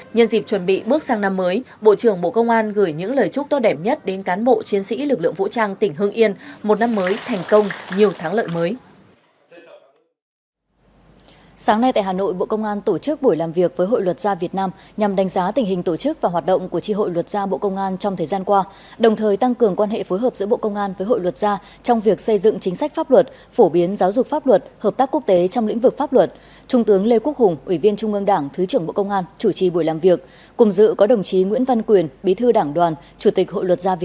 nhân dịp chuẩn bị bước sang năm mới bộ trưởng bộ công an gửi những lời chúc to đẹp nhất đến cán bộ chiến sĩ lực lượng vũ trang tỉnh hương yên một năm mới thành công nhiều tháng lợi mới